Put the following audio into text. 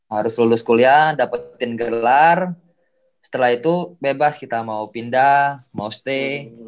harus lulus kuliah dapetin gelar setelah itu bebas kita mau pindah mau stay